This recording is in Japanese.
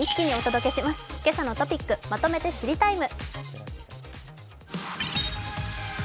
「けさのトピックまとめて知りＴＩＭＥ，」。